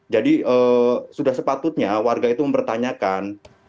jadi sudah sepatutnya warga itu mempertanyakan